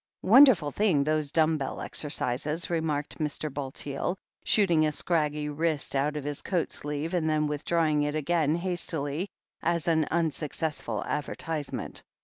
"Wonderful thing, those dumb bell exercises," re marked Mr. Bulteel, shooting a scraggy wrist out of his coat sleeve, and then withdrawing it again hastily, as an unsuccessful advertisement.